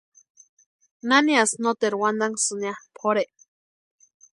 ¿Naniasï noteru wantanhasïni ya pʼorhe?